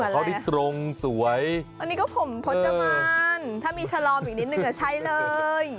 เขานี่ตรงสวยอันนี้ก็ผมพจมันถ้ามีฉลอมอีกนิดนึงใช้เลย